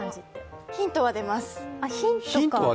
ヒントは出ます。